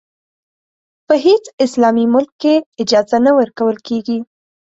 په هېڅ اسلامي ملک کې اجازه نه ورکول کېږي.